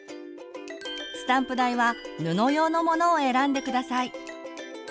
スタンプ台は布用のものを選んで下さい。